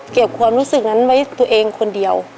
ความรู้สึกนั้นไว้ตัวเองคนเดียว